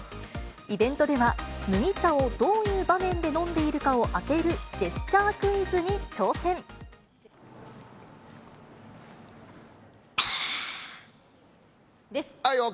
イベントでは、麦茶をどういう場面で飲んでいるかを当てるジェスチャークイズにあー。